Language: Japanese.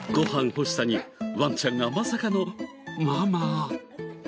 欲しさにワンちゃんがまさかの「ママ」。